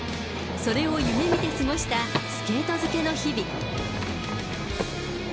それを夢みて過ごしたスケート漬けの日々。